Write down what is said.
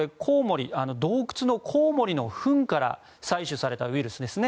洞窟のコウモリのふんから採取されたウイルスですね。